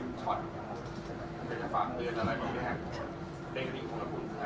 แต่อย่างพี่บอกว่าเขาจะพูดยังไหร่ก็ได้